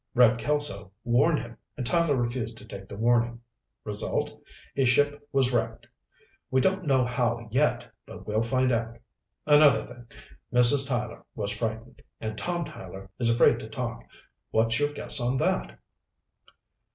Red Kelso warned him, and Tyler refused to take the warning. Result: his ship was wrecked. We don't know how yet, but we'll find out. Another thing: Mrs. Tyler was frightened, and Tom Tyler is afraid to talk. What's your guess on that?"